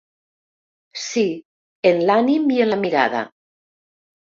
Sí, en l’ànim i en la mirada.